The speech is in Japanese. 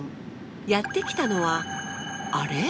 やって来たのはあれ？